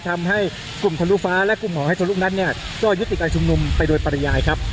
ทำให้กลุ่มทะลุฟ้าและกลุ่มของไททะลุนั้นเนี่ยก็ยุติการชุมนุมไปโดยปริยายครับ